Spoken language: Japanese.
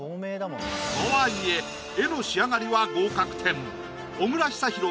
とはいえ絵の仕上がりは合格点。